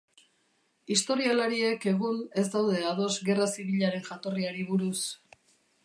Historialariek egun ez daude ados gerra zibilaren jatorriari buruz.